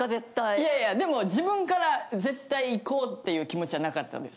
いやいやでも自分から絶対行こうっていう気持ちはなかったんです。